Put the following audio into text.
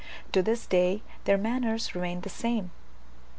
To this day their manners remain the same.